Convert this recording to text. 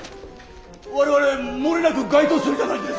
我々もれなく該当するじゃないですか。